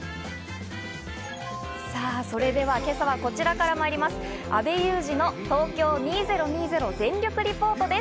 それでは今朝はこちらから参ります、阿部祐二のＴＯＫＹＯ２０２０全力リポートです。